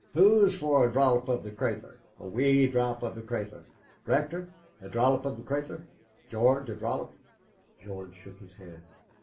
"Who's for a dhrop of the craythur? A wee dhrop of the craythur? Rector, a dhrop of the craythur? George, a dhrop " George shook his head.